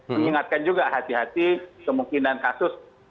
mengingatkan juga hati hati kemungkinan kasus